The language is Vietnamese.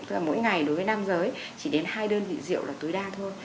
tức là mỗi ngày đối với nam giới chỉ đến hai đơn vị rượu là tối đa thôi